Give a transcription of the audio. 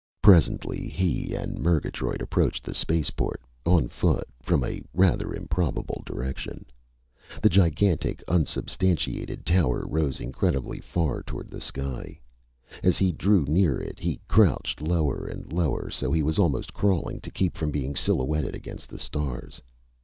Presently he and Murgatroyd approached the spaceport, on foot, from a rather improbable direction. The gigantic, unsubstantiated tower rose incredibly far toward the sky. As he drew near it he crouched lower and lower so he was almost crawling to keep from being silhouetted against the stars.